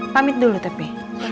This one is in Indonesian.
pamit dulu tebi